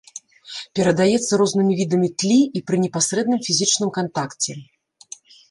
Перадаецца рознымі відамі тлі і пры непасрэдным фізічным кантакце.